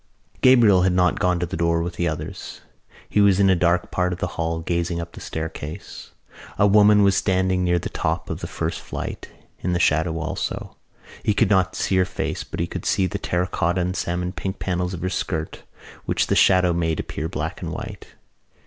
Gabriel had not gone to the door with the others. He was in a dark part of the hall gazing up the staircase. A woman was standing near the top of the first flight, in the shadow also. He could not see her face but he could see the terracotta and salmon pink panels of her skirt which the shadow made appear black and white.